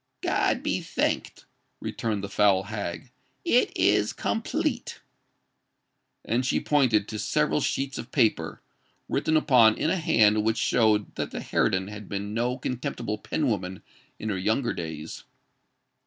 "God be thanked!" returned the foul hag; "it is complete." And she pointed to several sheets of paper, written upon in a hand which showed that the harridan had been no contemptible pen woman in her younger days.